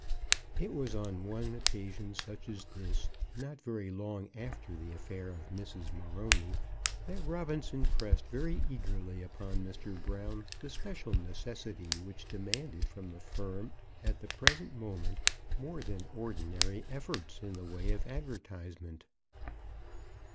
It was on one occasion such as this, not very long after the affair of Mrs. Morony, that Robinson pressed very eagerly upon Mr. Brown the special necessity which demanded from the firm at the present moment more than ordinary efforts in the way of advertisement.